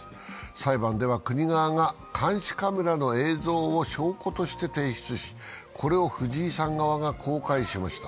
裁判では国側が監視カメラの映像を証拠として提出しこれをフジイさん側が公開しました。